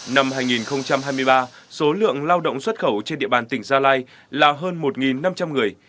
năm hai nghìn hai mươi ba số lượng lao động xuất khẩu trên địa bàn tỉnh gia lai là hơn một năm trăm linh người